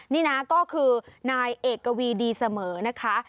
นี่นะก็คือนายเอกวีดีเสมอนะคะ